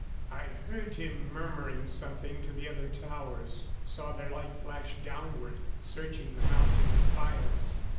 I heard him murmuring something to the other towers, saw their light flash downward, searching the mountain defiles.